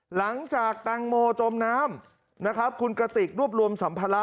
หลังจากแตงโมจมน้ำนะครับคุณกระติกรวบรวมสัมภาระ